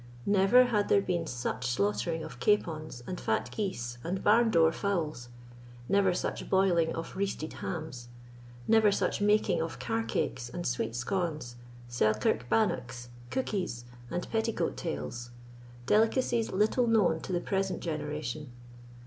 Never had there been such slaughtering of capons, and fat geese, and barndoor fowls; never such boiling of reested hams; never such making of car cakes and sweet scones, Selkirk bannocks, cookies, and petticoat tails—delicacies little known to the present generation.